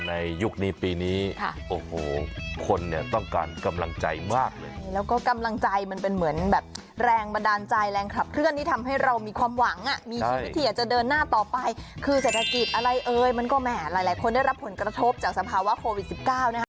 ในยุคนี้ปีนี้ค่ะโอ้โหคนเนี่ยต้องการกำลังใจมากเลยแล้วก็กำลังใจมันเป็นเหมือนแบบแรงบันดาลใจแรงขับเคลื่อนที่ทำให้เรามีความหวังอ่ะมีชีวิตที่อยากจะเดินหน้าต่อไปคือเศรษฐกิจอะไรเอ่ยมันก็แหมหลายคนได้รับผลกระทบจากสภาวะโควิดสิบเก้านะคะ